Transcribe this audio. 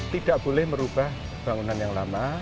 tidak boleh merubah bangunan yang lama